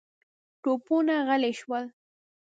توپونه غلي شول.